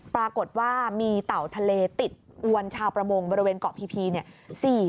ปรากฏว่ามีเต่าทะเลติดอวนชาวประมงบริเวณเกาะพีเนี่ย